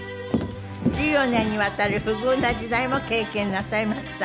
１４年にわたる不遇な時代も経験なさいました。